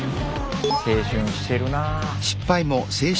青春してるなあ。